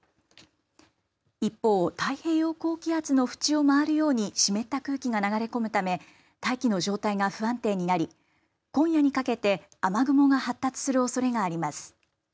一方、太平洋高気圧の縁を回るように湿った空気が流れ込むため大気の状態が不安定になり今夜にかけて雨雲が発達するおそれがあります。